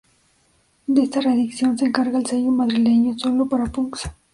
De esta reedición se encarga el sello Madrileño Sólo para Punks.